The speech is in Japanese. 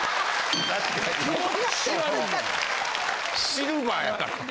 シルバーやから。